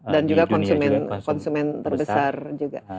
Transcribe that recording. dan juga konsumen terbesar juga